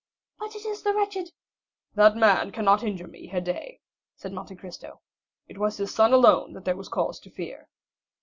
"But it is the wretched——" "That man cannot injure me, Haydée," said Monte Cristo; "it was his son alone that there was cause to fear."